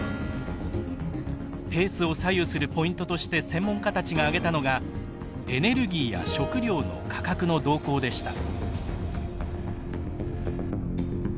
ペースを左右するポイントとして専門家たちが挙げたのがエネルギーや食料の価格の動向でした。